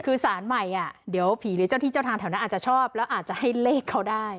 คือสารใหม่เดี๋ยวผีหรือเจ้าที่เจ้าทางแถวนั้นอาจจะชอบแล้วอาจจะให้เลขเขาได้